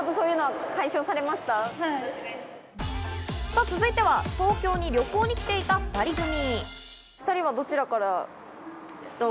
さぁ続いては東京に旅行に来ていた２人組。